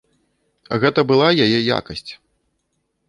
Гэта была яе якасць.